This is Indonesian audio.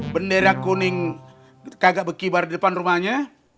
bendera kuning kagak berkibar di depan rumahnya